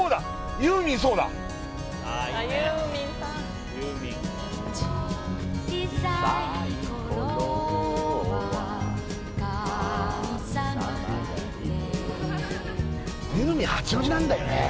ユーミン八王子なんだよね